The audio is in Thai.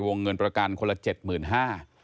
เงินประกันคนละ๗๕๐๐บาท